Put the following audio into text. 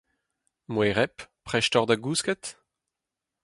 Moereb, prest oc’h da gousket ?